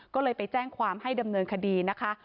ก็เลยไปแจ้งความให้ดำเนินคดีนะคะ